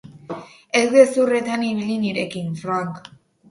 Ez gezurretan ibili nirekin, Frank.